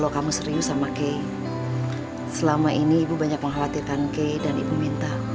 bagian ibu yakin